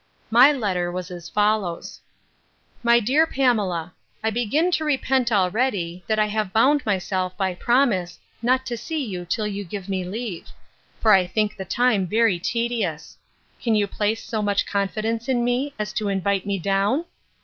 My letter is as follows: 'MY DEAR PAMELA, 'I begin to repent already, that I have bound myself, by promise, not to see you till you give me leave; for I think the time very tedious. Can you place so much confidence in me, as to invite me down?